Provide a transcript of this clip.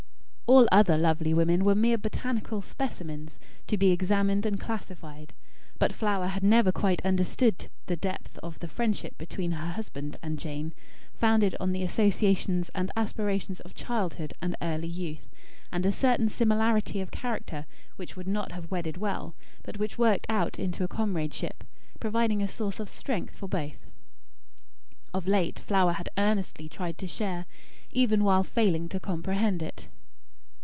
All other lovely women were mere botanical specimens, to be examined and classified. But Flower had never quite understood the depth of the friendship between her husband and Jane, founded on the associations and aspirations of childhood and early youth, and a certain similarity of character which would not have wedded well, but which worked out into a comradeship, providing a source of strength for both. Of late, Flower had earnestly tried to share, even while failing to comprehend, it.